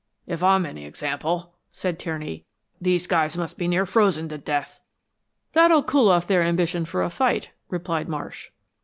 "If I'm any example," said Tierney, "these two guys must be near frozen to death." "That'll cool off their ambition for a fight," replied Marsh.